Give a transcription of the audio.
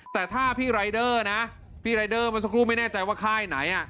แต่ถ้าพี่ไลเดอร์นะพี่ไลเดอร์มันจะรู้ไม่แน่ใจว่าใครไหน